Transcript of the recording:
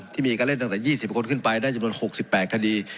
ที่มีการเล่นตั้งแต่๒๐คนขึ้นไปได้จำนวน๖๘คดี